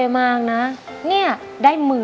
ร้องได้